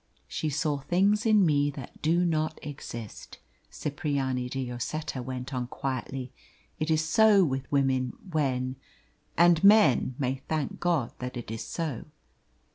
"She saw things in me that do not exist," Cipriani de Lloseta went on quietly. "It is so with women when and men may thank God that it is so."